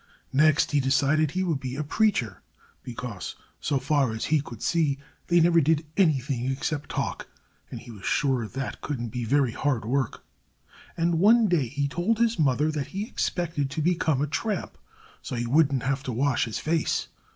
Next he decided he would be a preacher, because, so far as he could see, they never did anything except talk and he was sure that couldn't be very hard work. And one day he told his mother that he expected to become a tramp, so he wouldn't have to wash his face.